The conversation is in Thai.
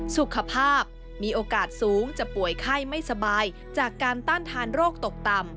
สุขภาพมีโอกาสสูงจะป่วยไข้ไม่สบายจากการต้านทานโรคตกต่ำ